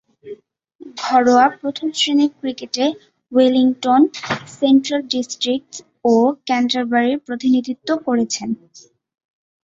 ঘরোয়া প্রথম-শ্রেণীর ক্রিকেটে ওয়েলিংটন, সেন্ট্রাল ডিস্ট্রিক্টস ও ক্যান্টারবারির প্রতিনিধিত্ব করেছেন।